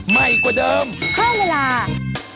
ไม่หวาน